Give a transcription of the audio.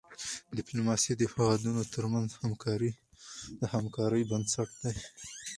ډيپلوماسي د هېوادونو ترمنځ د همکاری بنسټ دی.